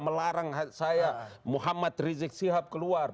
melarang saya muhammad rizik sihab keluar